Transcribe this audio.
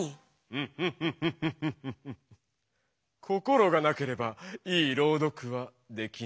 ンフフフフフフ心がなければいい朗読はできないよ。